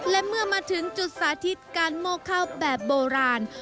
และเมื่อมาถึงจุดสาธิตการโมกข้าวแบบโบราณ